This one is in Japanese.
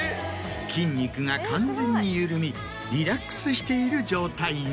筋肉が完全に緩みリラックスしている状態に。